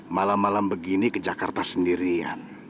malam malam begini ke jakarta sendirian